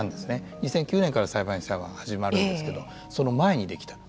２００９年から裁判員裁判は始まるんですけどその前にできた。